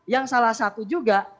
yang salah satu juga